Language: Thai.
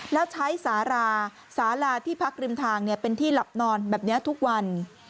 แล้วใช้สาราสาราที่พักริมทางเป็นที่หลับนอนแบบนี้ทุกวัน